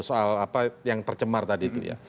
soal apa yang tercemar tadi itu ya